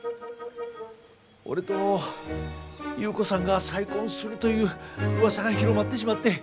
俺と優子さんが再婚するといううわさが広まってしまって。